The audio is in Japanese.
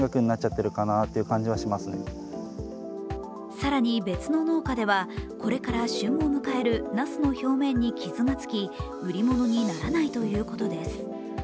更に別の農家では、これから旬を迎えるなすの表面に傷がつき、売り物にならないということです。